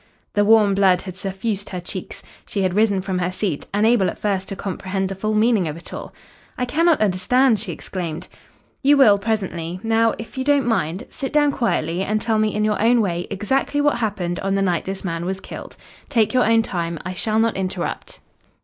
The warm blood had suffused her cheeks. She had risen from her seat, unable at first to comprehend the full meaning of it all. "I cannot understand," she exclaimed. "You will presently. Now, if you don't mind, sit down quietly, and tell me in your own way exactly what happened on the night this man was killed. Take your own time. I shall not interrupt."